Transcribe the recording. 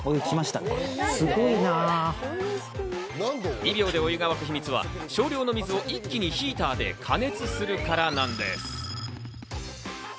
２秒でお湯が沸く秘密は少量の水を一気にヒーターで加熱するからなんです。